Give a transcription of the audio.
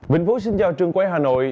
bình phố xin chào trường quay hà nội